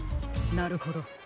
なるほど。